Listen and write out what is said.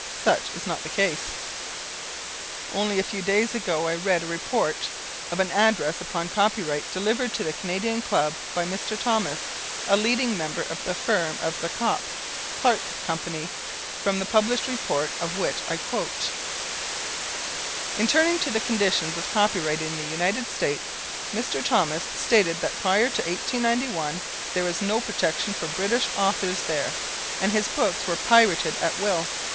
Such is not the case. Only a few days ago, I read a report of an address upon copyright delivered to the Canadian Club by Mr. Thomas, a leading member of the firm of The Copp, Clark Company, from the published report of which I quote: "In turning to the conditions of copyright in the United States, Mr. Thomas stated that prior to 1891 there was no protection for British authors there, and his books were pirated at will.